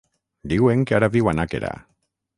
Diuen que ara viu a Nàquera.